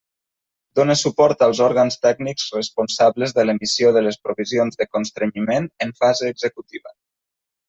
Dóna suport als òrgans tècnics responsables de l'emissió de les provisions de constrenyiment en fase executiva.